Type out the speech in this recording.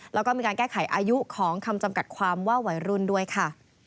แล้วก็มีการแก้ไขอายุของคำจำกัดความว่าวัยรุ่นด้วยค่ะ